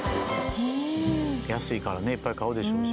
安いからねいっぱい買うでしょうし。